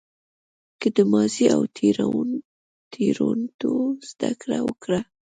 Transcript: که د ماضي له تېروتنو زده کړه وکړه.